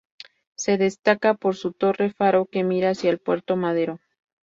Se destaca por su torre-faro que mira hacia el Puerto Madero.